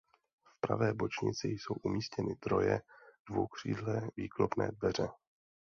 V pravé bočnici jsou umístěny troje dvoukřídlé výklopné dveře.